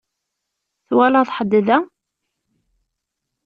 Twalaḍ ḥedd da?